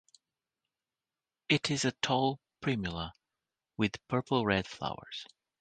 It is a tall Primula with purple-red flowers.